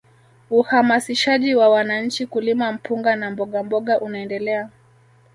Uhamasishaji wa wananchi kulima mpunga na mbogamboga unaendelea